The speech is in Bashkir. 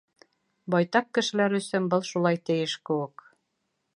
Байтаҡ кешеләр өсөн был шулай тейеш кеүек.